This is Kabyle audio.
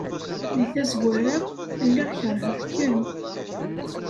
Deg tazwara, lliɣ keṛheɣ-kem.